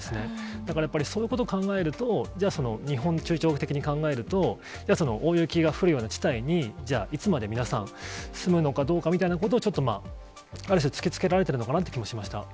だからやっぱりそういうことを考えると、じゃあその中長期的に考えると、大雪が降るような地帯に、いつまで皆さん住むのかどうかみたいなことを、ちょっとある種、突きつけられているのかなという気もしました。